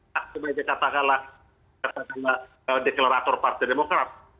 tak cuma dikatakanlah deklarator partai demokrat